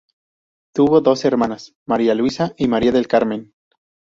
Tuvo dos hermanas, María Luisa y María del Carmen.